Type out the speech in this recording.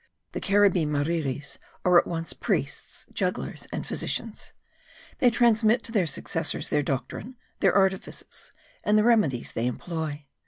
The Carribbee marirris are at once priests, jugglers and physicians; they transmit to their successors their doctrine, their artifices, and the remedies they employ.